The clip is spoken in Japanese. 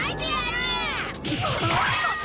うわっ！